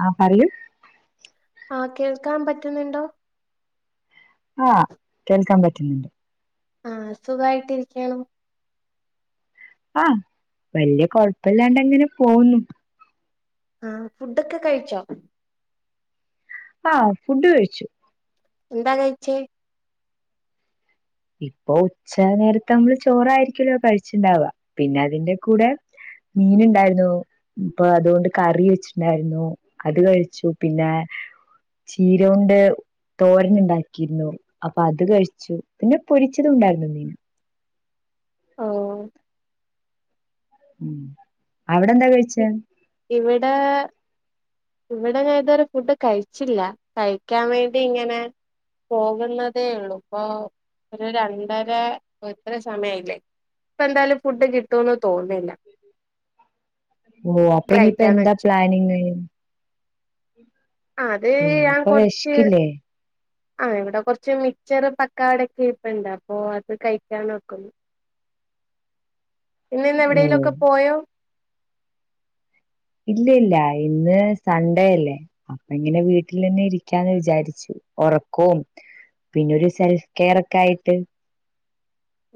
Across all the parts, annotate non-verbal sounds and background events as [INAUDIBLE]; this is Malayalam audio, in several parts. ആഹ് പറയൂ ആഹ് കേൾക്കാൻ പറ്റുന്നുണ്ടോ ആഹ് കേൾക്കാൻ പറ്റ്ന്ന്ണ്ട് ആഹ് സുഖായിട്ടിരിക്കാണോ ആഹ് വല്ല്യേ കൊഴപ്പല്ലാണ്ടങ്ങനെ പോവുന്നു ആഹ് ഫുഡൊക്കെ കയിച്ചോ ആഹ് ഫുഡ് കഴിച്ചു എന്താ കയിച്ചേ ഇപ്പൊ ഉച്ച നേരത്തമ്മള് ചോറായിരിക്കലോ കഴിച്ച്ണ്ടാവാ പിന്നെ അതിന്റെ കൂടേ മീന്ണ്ടായിര്ന്നു ഇപ്പൊ അതോണ്ട് കറി വെച്ച്ട്ട്ണ്ടായിരുന്നു അത് കഴിച്ചു പിന്നെ ചീര കൊണ്ട് തോരൻ ഉണ്ടാക്കിരുന്നു അപ്പൊ അത് കഴിച്ചു പിന്നെ പൊരിച്ചതുണ്ടായിരുന്നു മീന് ഓഹ് ഉം അവ്ടെന്താ കഴി ഇ ഇവിടെ ഇവിടെ ഞാൻ ഇതുവരെ ഫുഡ് കഴിച്ചില്ല കഴിക്കാൻ വേണ്ടി ഇങ്ങനെ പോകുന്നതേയുള്ളൂ ഇപ്പൊ ഒരു രണ്ടര ഇപ്പോ ഇത്രേം സമയായില്ലേ ഇപ്പ എന്തായാലും ഫുഡ് കിട്ടോന്ന് തോന്നുന്നില്ല ഓഹ് അപ്പ കഴിക്കാന്ന് ഇനിയിപ്പെന്താ വെച്ചു പ്ലാനിങ് ആ, അത് ഓഹ് ഞാൻ അപ്പൊ കൊറച്ച് വെശ്ക്കില്ലേ ആഹ് ഇവിടെ കുറച്ച് മിച്ചർ പക്കാവടയൊക്കെ ഇരിപ്പണ്ട് അപ്പൊ അത് കഴിക്കാൻ നോക്കു പിന്നെ ഇന്ന് ഓ എവിടേലൊക്കെ പോയോ ഇല്ലയില്ല ഇന്ന് സൺഡേ അല്ലേ അപ്പൊ ഇങ്ങനെ വീട്ടിലെന്നെ ഇരിക്കാന്ന് വിചാരിച്ചു ഒറക്കവും പിന്നൊരു സെൽഫ് കെയർ ഒക്കെ ആയിട്ട്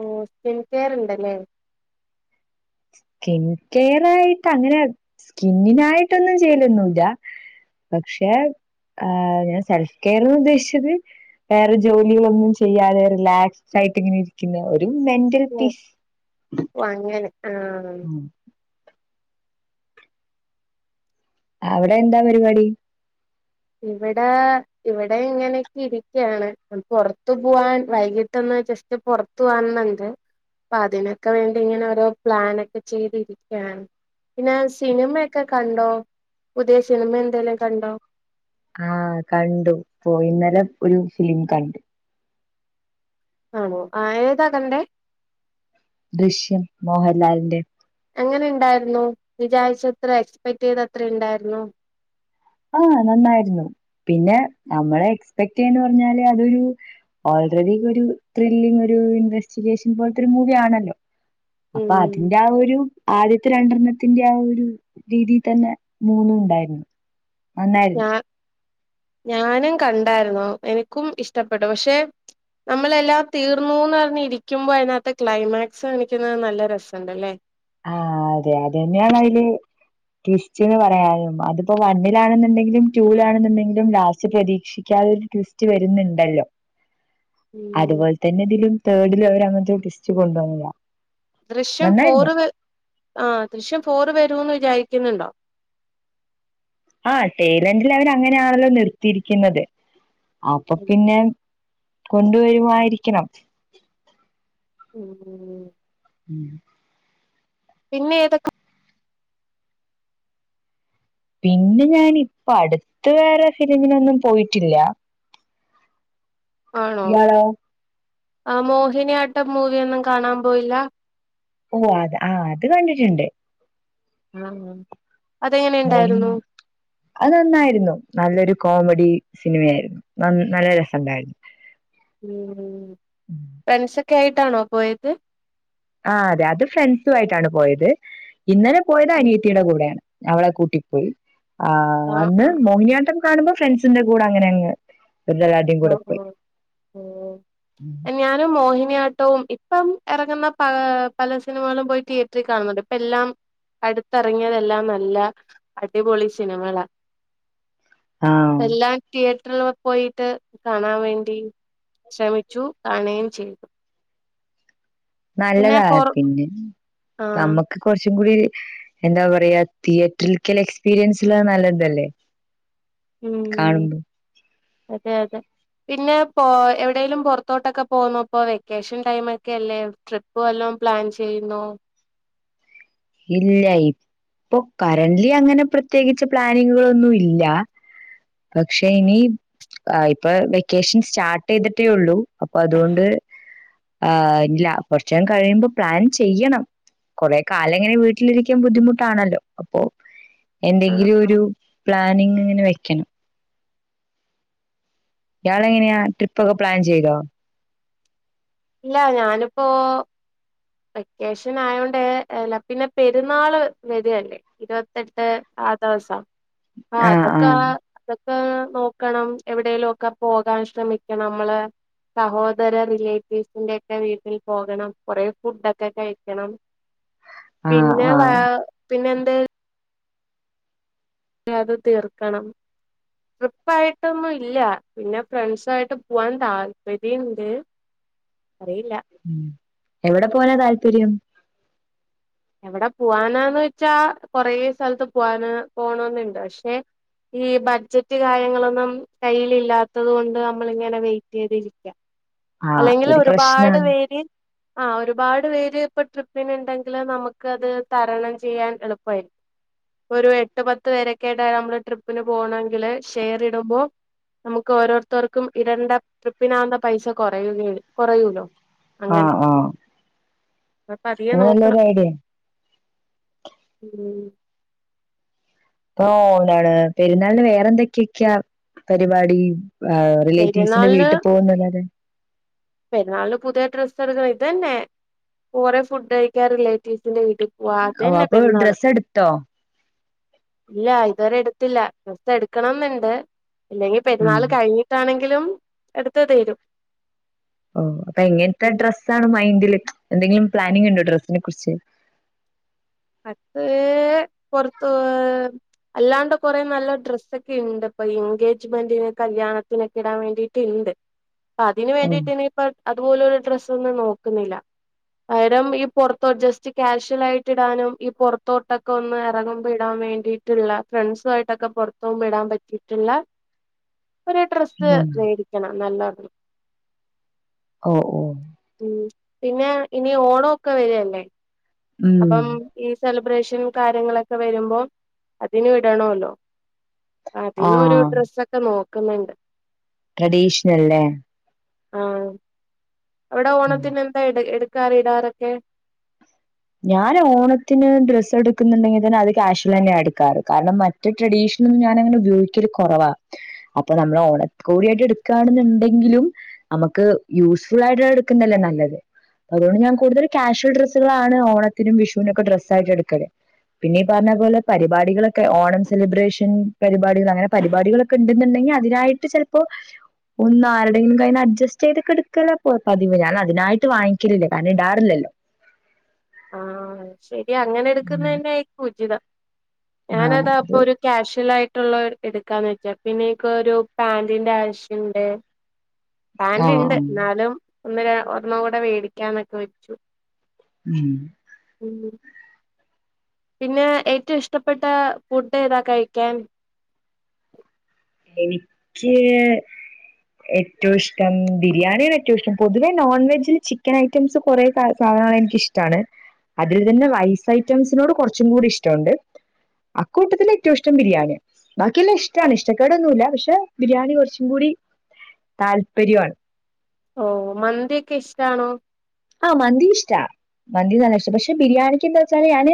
ഓഹ് സ്കിൻ കെയർണ്ടല്ലേ സ്കിൻ കെയറായിട്ട് അങ്ങനെ സ്കിന്നിനായിട്ടൊന്നും ചെയ്യലൊന്നുല്ല പക്ഷെ ആ ഞാൻ സെൽഫ് കെയർന്ന് ഉദ്ദേശിച്ചത് വേറെ ജോലികളൊന്നും ചെയ്യാതെ റീലാക്സ്ടായിട്ട് ഇങ്ങനെ ഇരിക്കുന്ന ഒരു മെന്റൽ പീസ് വൊങ്ങനെ ആഹ് അവടെ എന്താ പരിപാടി ഇവടെ ഇവടെ ഇങ്ങനൊക്കെയിരിക്കാണ് മ് പുറത്തു പോവാൻ വൈകി പെട്ടന്ന് ജസ്റ്റ് പുറത്തു പോവണന്നുണ്ട് അപ്പൊ അതിനൊക്കെ വേണ്ടിങ്ങനെ ഓരോ പ്ലാനൊക്കെ ചെയ്തിരിക്കാണ് പിന്നെ സിനിമയൊക്കെ കണ്ടോ പുതിയ സിനിമ എന്തെലും കണ്ടോ ആഹ് കണ്ടു പോയി ഇന്നലെ ഒരു ഫിലിം കണ്ടു ആണോ ആഹി ഏതാ കണ്ടേ ദൃശ്യം മോഹൻലാലിന്റെ എങ്ങനെ ഇണ്ടായിരുന്നു വിചാരിച്ച അത്ര എക്സ്പെക്ടിയ്ത അത്ര ഇണ്ടായിരുന്നു ആഹ് നന്നായിരുന്നു പിന്നെ നമ്മളെ എക്സ്പെക്ടിയ്യാന്ന് പറഞ്ഞാല് അതൊരു ഓൾറെഡി ഒരു ത്രില്ലിങ് ഒരു ഇൻവെസ്റ്റിഗേഷൻ പോലത്തെരു മൂവി ആണല്ലോ അപ്പ ഉം അതിന്റെ ആ ഒരു ആദ്യത്തെ രണ്ടെണ്ണത്തിന്റെ ആ ഒരു രീതി തന്നെ മൂന്നും ഉണ്ടായിരുന്നു ഞ നന്നായിരുന്നു. ഞാനും കണ്ടായിരുന്നു എനിക്കും ഇഷ്ടപ്പെട്ടു പക്ഷെ നമ്മളെല്ലാം തീർന്നൂന്ന് പറഞ് ഇരിക്കുമ്പോ അതിനകത്തെ ക്ലൈമാക്സ് കാണിക്കുന്നത് നല്ല രസണ്ടല്ലേ ആഹ് അതെ അതെന്നെയണയില് ട്വിസ്റ്റ്‌ന്ന് പറയാനും അതിപ്പോ വണ്ണിലാണെന്നുണ്ടെങ്കിലും ടൂലാണെന്നുണ്ടെങ്കിലും ലാസ്റ്റ് പ്രതീക്ഷിക്കാതെ ട്വിസ്റ്റ് വരുന്നുണ്ടല്ലോ [INAUDIBLE] ഉം അതുപോലെ തന്നെ ഇതിലും തേഡിലും അവര് അങ്ങനത്തൊരു ട്വിസ്റ്റ് കൊണ്ടുവന്നതാ ദൃശ്യം നന്നായിരുന്നു. ഫോറ് വ ആ ദൃശ്യം ഫോർ വരൂന്ന് വിചാരിക്കുന്നുണ്ടോ ആ ടൈലെന്റിൽ അവരങ്ങനെയാണല്ലോ നിർത്തിയിരിക്കുന്നത് അപ്പൊ പിന്നെ കൊണ്ടുവരുമായിരിക്കണം ഉം ഉം ഉം പിന്നേതൊക്കെ പിന്നെ ഞാനിപ്പടുത്ത് വേറെ ഫിലിമിനൊന്നും പോയിട്ടില്ല [INAUDIBLE] ആണോ ഇയാളോ ആ മോഹിനിയാട്ടം മൂവിയൊന്നും കാണാൻ പോയില്ല ഓഹ് അത് ആ അത് കണ്ടിട്ടുണ്ട് ആഹ് അതെങ്ങനെ ഉണ്ടായിരുന്നു മോഹിനിയാ അത് നന്നായിരുന്നു നല്ലൊരു കോമഡി സിനിമയായിരുന്നു ന നല്ല രസണ്ടായിരുന്നു ഉം ഫ്രണ്ട്സൊക്കായിട്ടാണോ പോയത് ആഹ് അതെ അത് ഫ്രെണ്ട്സുവായിട്ടാണ് പോയത് ഇന്നലെ പോയത് അനിയത്തീടെ കൂടെയാണ് അവളെ കൂട്ടി പോയി ആഹ് അന്ന് ആഹ് ആഹ് മോഹിനിയാട്ടം കാണുമ്പോ ഫ്രണ്ട്സിന്റെ കൂടെ അങ്ങനെ അങ്ങ് [UNINTELLIGIBLE] ഓഹ് ഓഹ് ഓഹ് എൻ ഞാനും മോഹിനിയാട്ടവും ഇപ്പം ഇറങ്ങുന്ന പ പല സിനിമകളും പോയി തിയേറ്ററിൽ കാണുന്നുണ്ട് ഇപ്പ എല്ലാം അടുത്തിറങ്ങിയതെല്ലാം നല്ല അടിപൊളി സിനിമകളാ ആ എല്ലാം തിയേറ്ററിലക്കെ പോയി ട്ട് കാണാൻ വേണ്ടി ശ്രമിച്ചു കാണുകയും ചെയ്തു പിന്നെ നല്ലതാ പൊറ പിന്നെ ആഹ് നമ്മുക്ക് കൊറച്ചും കൂടി എന്താ പറയാ തിയേറ്ററിൽക്കല്ല എക്സ്പീരിയൻസ്ള്ളത് നല്ലതല്ലേ ഉം കാണുമ്പോ അതെ അതെ പിന്നെ പോ എവിടെേലിലും പുറത്തോട്ടൊക്കെ പോന്നോപ്പോ വെക്കേഷൻ ടൈം ഒക്കെ അല്ലേ ട്രിപ്പ് വല്ലോം പ്ലാൻ ചെയ്യുന്നോ ഇല്ല ഇപ്പൊ കറന്റ്ലി അങ്ങനെ പ്രത്യേകിച്ച് പ്ലാനിങ്ങുകളൊന്നും ഇല്ല പക്ഷേ ഇനി ആഹ് ഇപ്പ വെക്കേഷൻ സ്റ്റാർട്ട് ചെയ്തിട്ടേ ഉള്ളൂ അപ്പൊ അതുകൊണ്ട് ആഹ് ഇല്ല കൊറച്ചം കഴിയുമ്പോ പ്ലാൻ ചെയ്യണം കൊറേ കാല അങ്ങനെ വീട്ടിലിരിക്കൻ ബുദ്ധിമുട്ടാണല്ലോ അപ്പൊ ആഹ് എന്തെങ്കിലും ആഹ് ഒരു പ്ലാനിങ്് ഇങ്ങനെ വെക്കണം ഇയാളെങ്ങനെയാ ട്രിപ്പ് ഒക്കെ പ്ലാൻ ചെയ്തോ? ഇല്ല ഞാനിപ്പോ വെക്കേഷൻ ആയോണ്ട് എല്ല പിന്നെ പെരുന്നാള് വരല്ലേ ഇരുപത്തെട്ട് ആ ദെവസം ആ ആഹ് അതൊക്കെ ആഹ് അതൊ ക്കെ നോക്കണം എവിടെേലും ഒക്കെ പോകാൻ ശ്രമിക്കണം നമ്മള് സഹോദര റിലേ സ്റ്റിന്റെ ഒക്കെ വീട്ടിൽ പോകണം കുറേ ഫുഡ് ഒക്കെ കഴിക്കണം ആഹ് പിന്നെ വ ആഹ് പിന്നെ എന്ത് [UNINTELLIGIBLE] അത് തീർക്കണം ട്രിപ്പായിട്ടൊന്നും ഇല്ല പിന്നെ ഫ്രണ്ട്സായിട്ട് പോവാൻ താല്പര്യണ്ട് അറിയില്ല എവിടെ പോവാനാ താല്പര്യം എവിടെ പോവാനാന്ന് വെച്ചാ കൊറേ സ്ഥലത്ത് പോവാന് പോണെന്നുണ്ട് പക്ഷെ ഈ ബഡ്ജറ്റ് കാര്യങ്ങളൊന്നും കയ്യിൽ ഇല്ലാത്തത് കൊണ്ട് നമ്മൾ ഇങ്ങനെ വെയിറ്റ് ചെയ്തിരിക്ക ആഹ് അല്ലെങ്കിൽ അതൊരു ഒരുപാട് പ്രശ്നാണ് പേര് ആഹ് ഒരുപാട് പേര് ഇപ്പൊ ട്രിപ്പിന് ഇണ്ടെങ്കില് നമു ക്കത് തരണം ചെയ്യാൻ എളുപ്പായി ഒരു എട്ട് പത്ത് പേരൊക്കെ ആയിട്ട നമ്മള് ട്രിപ്പിന് പോണെങ്കില് ഷെയറ് ഇടുമ്പോ നമുക്ക് ഓരോരുത്തർക്കും ഇടേണ്ട ട്രിപ്പിനാവുന്ന പൈസ കൊറയുക കൊറയൂലോ ആഹ് ആഹ് അപ്പൊ അധിക അത് നല്ലൊരു നോക്കണം ഐഡിയ ഉം ഓ ണൽ പെരുന്നാളില് വേറെ എന്തൊക്കെയൊക്കെയാ പരിപാടി ആഹ് റിലേറ്റീവ്സിന്റെ പെരുന്നാളിന് വീട്ടിൽ പോകുന്നല്ലാതെ പെരുന്നാളില് പുതിയ ഡ്രസ്സ് എടുക്കണം ഇത് തന്നെ കുറെ ഫുഡ് കഴിക്കാ റിലേറ്റീവ്സിന്റെ വീട്ടിൽ പോവാ ഓ ഇതന്നെ അപ്പൊ പെരുന്നാള് ഡ്രസ്സ് എടുത്തോ ഇല്ല ഇതുവരെ എടുത്തില്ല ട്രസ്സ് എടുക്കണംന്ന്ണ്ട് ഇല്ലെങ്കിൽ ഉം പെരുന്നാൾ കഴിഞ്ഞിട്ടാണെങ്കിലും എടുത്ത് തീരു ഓ ഹ്അപ്പൊ എങ്ങനത്തെ ഉം ഡ്രസ്സാണ് മൈന്ഡില് എന്തെങ്കിലും പ്ലാനിങ് ഉണ്ടോ ഡ്രസ്സിനെ കുറിച്ച് അത് പുറത്തോ അല്ലാണ്ട് കൊറെ നല്ല ഡ്രസ്സൊക്കെ ഉണ്ട് ഇപ്പൊ എൻഗേജ്മെന്റിന് കല്യാണത്തിനൊക്കെ ഇടാൻ വേണ്ടിയിട്ട് ഇണ്ട് അപ്പം അതിന് ഓ വേണ്ടിട്ട് ഇനിയിപ്പോ അതുപോലൊ ഒരു ഡ്രസ് ഒന്നും നോക്കുന്നില്ല പകരം ഈ പോറത്തോ ജസ്റ്റ് ക്യാഷ്വൽ ആയിട്ട് ഇടാനും ഈ പുറത്തോട്ടൊക്കെ ഒന്ന് എറങ്ങുമ്പം ഇടാൻ വേണ്ടിയിട്ടുള്ള ഫ്രണ്ട്സു ആയിട്ടൊക്കെ പുറത്തോവുമ്പോ ഇടാൻ പറ്റി ട്ടുള്ള ഒരു ഡ്രസ്സ് ഓ മേടിക്കണം നല്ലത് ഓഹ് ഓഹ് ഉം പിന്നെ ഇനി ഓണോക്കെ വരുവല്ലേ ഉം അപ്പം ഈ സെലിബ്രേഷൻ കാര്യങ്ങളൊക്കെ വരുമ്പോം അതിന് ഇടണല്ലോ ആ അതിനും ഒരു ഡ്രെസ്സൊക്കെ നോക്കുന്നുണ്ട് ട്ട്രഡീഷണൽല്ലേ ആഹ് അവിടെ ഉം ഓണത്തിന് എന്താ എട് എടുക്കാറ് ഇടാറൊക്കെ ഞാൻ ഓണത്തിന് ഡ്രസ്സ് എടുക്കുന്നുണ്ടെങ്കിൽ തന്നെ അത് ക്യാഷൽ തന്നെ എടുക്കാറ് കാരണം മറ്റ് ട്ട്രഡീഷനൽ ഞാന അങ്ങനെ ഉപയോഗിക്കല് കൊറവാ അപ്പൊ നമ്മൾ ഓണ കൊടിയായിട്ട് എടുക്കുകയാണെന്നുണ്ടെങ്കിലും നമുക്ക് യൂസ്ഫുൾ ആയിട്ട് എടുക്കുന്നല്ലേ നല്ലത് അതുകൊണ്ട് ഞാൻ കൂടുതല് കാഷ്വൽ ഡ്രസ്സകളാ ആണ് ഓണത്തിനും വിഷുനൊക്കെ ഡ്രസായിട്ട് എടുക്കല് പിന്നെ ഈ പറഞ്ഞ പോലെ പരിപാടികളൊക്കെ ഓണം സെലിബ്രേഷൻ പരിപാടികൾ അങ്ങനെ പരിപാടികളൊക്കെ ഒക്കെ ഉണ്ടുന്നുണ്ടെങ്കിൽ അതിനായിട്ട് ചെലപ്പോ ഒന്ന് ആരുടെങ്കിലും കയ്യി അഡ്ജസ്റ്റ്യ്തെടുക്കലാ പതിവ് ഞാൻ അതിനായിട്ട് വാങ്ങിക്കലില്ലേ കാരണം ഇടാറില്ലല്ലോ ആഹ് ശരിയാ അങ്ങനെ എടുക്കുന്ന ഉം തന്നെ ആയിരിക്കും ഉചിതം ആഹ് ഞാനതാ അപ്പൊ അത് ഒരു ക്യാഷ്വൽ ആയിട്ടുള്ള എടുക്കാന്ന് വെച്ചാ പിന്നെ എനിക് ഒരു പാന്റിന്റെ ആവശ്യം ഉണ്ട് പാന്റ് ഉണ്ട് ആഹ് എന്നാലും ഒന്ന് ഒരെണ്ണം കൂടെ മേടിക്കാന്നൊക്കെ വെച്ചു ഉം ഉം പിന്നെ ഏറ്റവും ഇഷ്ടപ്പെട്ട ഫുഡ്‌ ഏതാ കഴിക്കാൻ എനിക്ക് ഏറ്റവും ഇഷ്ടം ബിരിയാണിയാണ് ഏറ്റവും ഇഷ്ടം പൊതുവെ നോൺ വെജിൽ ചിക്കൻ അയി ഐറ്റംസ് കുറെേ സാധനങ്ങൾ എനിക്കിഷ്ടമാണ് അതിൽ തന്നെ വൈസ് ഐറ്റംസിനോട് കൊറച്ചും കൂടി ഇഷ്ടമുണ്ട് അക്കൂട്ടത്തിൽ ഏറ്റവും ഇഷ്ടം ബിരിയാണി ബാക്കിയെല്ലാം ഇഷ്ടാണ് ഇഷ്ടം ഇഷ്ടക്കെടൊന്നുല്ല പക്ഷെ ബിരിയാണി കൊറച്ചും കൂടി താല്പര്യമാണ് ഓഹ് മന്തിയൊക്കെ ഇഷ്ടാണോ ആഹ് മന്തി ഇഷ്ടാ മന്തി നല്ല ഇഷ്ടം പക്ഷെ ബിരിയാണിക്ക് എന്താച്ചാല് ഞാന്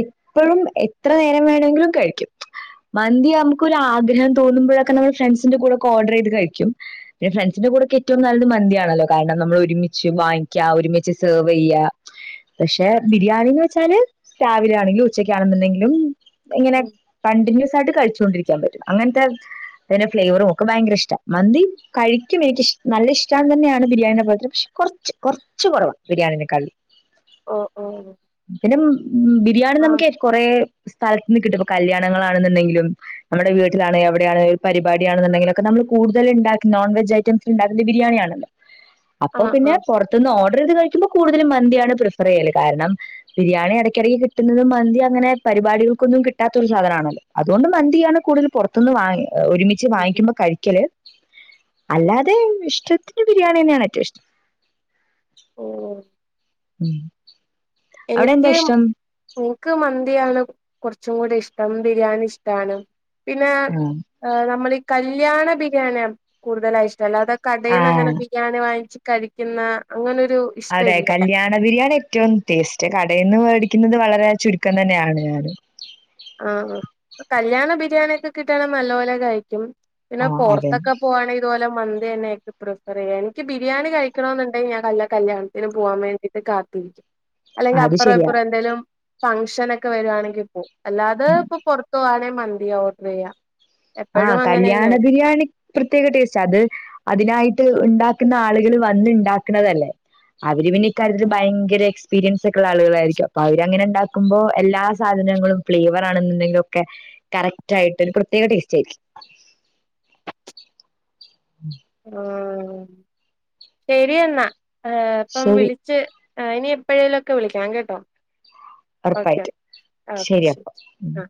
എപ്പോഴും എത്ര നേരം വേണെങ്കിലും കഴിക്കും മന്തി നമുക്കൊ ആഗ്രഹം തോന്നുമ്പോഴൊക്കെ നമ്മൾ ഫ്രണ്ട്സിന്റെ കൂടെ ഒക്കെ ഓർഡർ ചെയ്ത് കഴിക്കും പിന്നെ ഫ്രണ്ട്സിന്റെ കൂടെക്കെ ഏറ്റവും നല്ലത് മന്തിയാണല്ലോ കാരണം നമ്മൾ ഒരുമിച്ച് വാങ്ങ ക്കാ ഒരുമിച്ച് സെർവ് ചെയ്യാ പക്ഷെ ബിരിയാണിന്ന് വെച്ചാല് രാവിലെ ആണെങ്കിലും ഉച്ചക്കാണെന്നുണ്ടെങ്കിലും ഇങ്ങനെ ഉം കണ്ടിന്യൂസ് ആയിട്ട് കഴിച്ചുകൊണ്ടിരിക്കാൻ പറ്റും അങ്ങനത്തെ അതിന്റെ ഫ്ലേവറും ഒക്കെ ഭയങ്കര ഇഷ്ടം മന്തി കഴിക്കും എനിക്ക്ഷ നല്ല ഇഷ്ടം തന്നെയാണ് ബിരിണിയുടെ ത്രം പക്ഷ കൊറച്ച് കൊറച്ച് കൊറവാ ബിരിയാണീെ നേക്കാളും ഓ ഓ പിന്നെ ബിരിയാണി ആഹ് നമുകക്കെ കൊറെേ സ്ഥലത്തന്ന് കിട്ടും ഇപ്പോ കല്യാണങ്ങളാണെന്നുണ്ടെങ്കിലും നമ്മുടെ വീട്ടിലാണ് എവിടെയാണ് പരിപാടാണെന്നണ്ടെങ്കിലുംക്കെ നമ്മ കൂടുതൽ ണ്ടാക്കുന്ന നോൺ വെജ് ഐറ്റംസ് ഉണ്ടാക്കുന്നെ ബിരിയാണി ആണല്ലോ അപ്പൊ ആഹ് പിന്നെ ആഹ് പോറത്തുനിന്ന് ഓർഡർ ചെയ്ത് കഴിക്കുമ്പോൾ കൂടുതലും മന്തിയാണ് പ്രിഫർ ചെയ്യല് കാരണം ബിരിയാണി ഇടക്കിടക്ക് കിട്ടുന്നത മന്തി അനെ പരിപാടികൾക്കൊന്നും കിട്ടാത്ത ഒരു സാധനണല്ലോ അതുകൊണ്ട് മന്തിയാണ് കൂടുതൽ പോറത്തുന്ന് വാ ഒരുമിച്ച് വാങ്ങിക്കുമ്പോ കഴിക്കല് അല്ലാതെ ഇഷ്ടത്തിന്റെ ബിരിയാണി തന്നെയാണ് ഏറ്റവും ഇഷ്ടം ഓഹ ഉം അവിടെ എന്താ ഇഷ്ടം എനക്ക് മന്തിയാണ് കൊറച്ചും കൂടി ഇഷ്ടം ബിരിയാണി ഇഷ്ടാണ് പിന്നെ നമ്മളീ കല്യാണബിരിയാണിയ കൂടുതലായി ഇഷ്ടം അല്ലാതെ കടയിന്ന് ആഹ് അങ്ങനെ. ഞാന് വാങ്ങിച്ച് കഴിക്കുന്ന അങ്ങനൊരു. ഇഷ്ട അതെ ഇല്ല കല്യാണം. ബിരിയാണി ഏറ്റവും ടേസ്റ്റ് കടയിന്ന് മേടിക്കുന്നത് വളരെ ചുരുക്കം തന്നെയാണ് ഞാൻ. ആഹ് ആ കല്യാണ ബിരിയാണി ഒക്കെ കിട്ടണെങ്കി നലോല കഴിക്കും. പിന്നെ ആഹ് അതെ പുറത്തൊക്കെ പോവാണെങ്കിൽ. ഇതുപോലെ മന്തി തന്നെ പ്രിഫർ ചെയ്യ ഇനി ബിരിയാണി കഴിക്കണ ന്നുണ്ടെങ്കി കല്യാണത്തിന് പോവാൻ വേണ്ടയിട്ട് കാത്തി [UNINTELLIGIBLE] അല്ലെങ്കിൽ അത് ശരിയാ. അപ്പറംപ്പുറം എന്തെലും ഫംഗ്ഷനൊക്കെ വരുവാണെങ്കിൽ ഇപ്പോ അല്ലാതെ ഇപ്പൊ പൊ ത്ത് പോവാണെ മന്തിയാ ഓർഡർ ചെയ്യുക. ആഹ് കല്യാണ ബിരിയാണി. പ്രത്യേക ടേസ്റ്റ അത് അതിനായിട്ട് ഉണ്ടാക്കുന്ന ആളുകൾ വന്ന് ഉണ്ടാക്കുന്നതല്ലേ? അവര് പിന്നെ ഇക്കാര്യത്തിൽ ഭയങ്കര എക്സ്പീരിയൻസ് ഒക്കെയുള്ള ആളുകളായിരിക്കും അപ്പൊ അവര് അങ്ങനെണ്ടാക്ക. കുമ്പോ എല്ലാ സാധനങ്ങളും ഫ്ലേവർ ആണെന്നുണ്ടെങ്കിലും ഒക്കെ കറക്റ്റ് ആയിട്ട് ഒരു പ്രത്യേക ടേസ്റ്റ്. ആയിരിക്കും ഉം ആഹ് ശരിയെന്നാ അപ്പം ശരി വിളി ച്ച് ഇനി എപ്പോഴേലും ഒക്കെ വിളിക്കാം കേട്ടോ. ഓക്കെ ഉറപ്പായിട്ട് ഓക്കെ ശരിയപ്പ. ശരി ആ